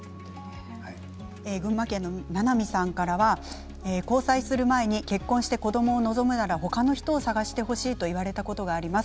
群馬県の方からは交際する前に結婚して子どもを望むなら他の人を探してほしいと言われたことがあります。